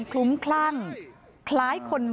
คอกันพวกผม